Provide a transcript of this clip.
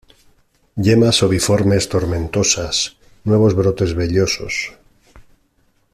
Yemas oviformes-tomentosas, nuevos brotes vellosos.